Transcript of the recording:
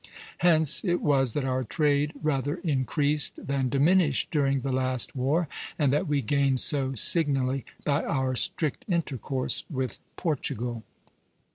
Hence it was that our trade rather increased than diminished during the last war, and that we gained so signally by our strict intercourse with Portugal."